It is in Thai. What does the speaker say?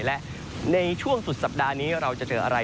และในช่วงสุดสัปดาห์นี้เราจะเจออะไร